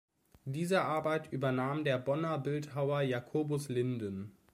Diese Arbeit übernahm der Bonner Bildhauer Jakobus Linden.